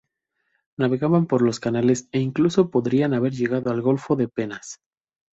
Navegaban por los canales e incluso podrían haber llegado al Golfo de Penas.